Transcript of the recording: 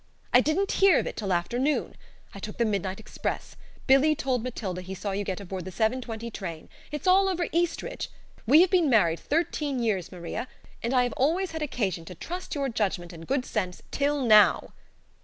"I didn't hear of it till afternoon. I took the midnight express. Billy told Matilda he saw you get aboard the 7.20 train It's all over Eastridge. We have been married thirteen years, Maria, and I have always had occasion to trust your judgment and good sense till now."